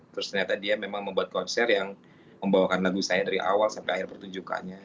terus ternyata dia memang membuat konser yang membawakan lagu saya dari awal sampai akhir pertunjukannya